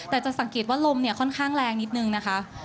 แต่จะสังเกตว่าลมเนี่ยค่อนข้างแรงนิดนึงนะคะ